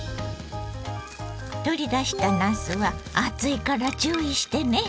取り出したなすは熱いから注意してね。